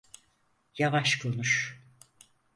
Yavaş konuş.